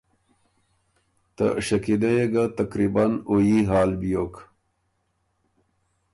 ته شکیلۀ يې ګه تقریباً او يي حال بیوک